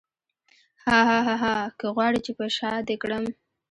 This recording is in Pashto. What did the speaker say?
هاهاها که غواړې چې په شاه دې کړم.